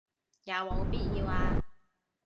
有冇必要啊